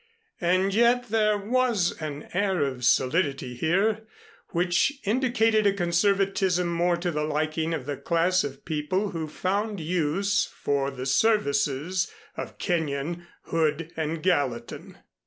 And yet there was an air of solidity here which indicated a conservatism more to the liking of the class of people who found use for the services of Kenyon, Hood and Gallatin.